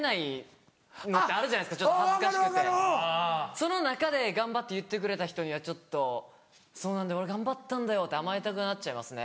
その中で頑張って言ってくれた人にはちょっと「そうなんだよ俺頑張ったんだよ」って甘えたくなっちゃいますね。